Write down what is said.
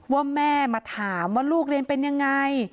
ว่าแม่มาถามว่าลูกเรียนเป็นยังไง